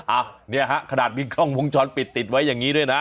อ่ะเนี่ยฮะขนาดมีกล้องวงจรปิดติดไว้อย่างนี้ด้วยนะ